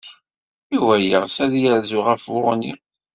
Yuba yeɣs ad yerzu ɣef Buɣni.